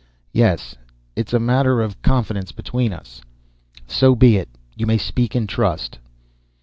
"Yes. It is a matter of confidence between us." "So be it. You may speak in trust."